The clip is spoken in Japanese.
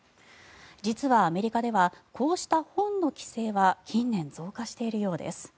実はアメリカではこうした本の規制は近年、増加しているようです。